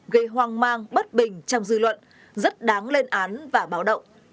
gây hoang mang bất bình trong dư luận rất đáng lên án và báo động